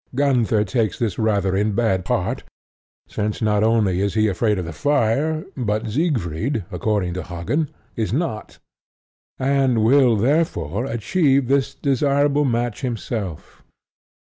Gunther takes this rather in bad part, since not only is he afraid of the fire, but Siegfried, according to Hagen, is not, and will therefore achieve this desirable match himself.